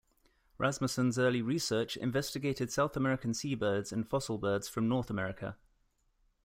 Rasmussen's early research investigated South American seabirds and fossil birds from North America.